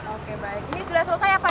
oke baik ini sudah selesai ya pak